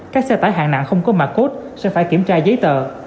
các xe tải hàng nặng không có mạc cốt sẽ phải kiểm tra giấy tờ